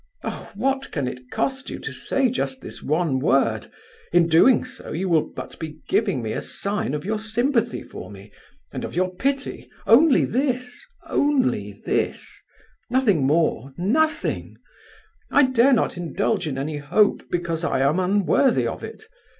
Oh! what can it cost you to say just this one word? In doing so you will but be giving me a sign of your sympathy for me, and of your pity; only this, only this; nothing more, nothing. I dare not indulge in any hope, because I am unworthy of it.